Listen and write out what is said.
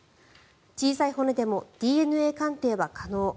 小さい骨でもＤＮＡ鑑定は可能。